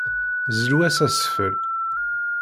Zlu-as asfel.